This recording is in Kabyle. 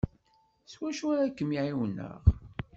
S wacu ara kem-ɛiwneɣ?